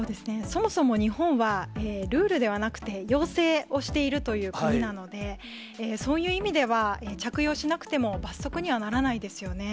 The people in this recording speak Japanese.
そもそも日本は、ルールではなくて要請をしているという国なので、そういう意味では、着用しなくても罰則にはならないですよね。